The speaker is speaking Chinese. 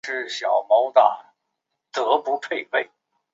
硫化是对橡胶性能进行改良的一种过程。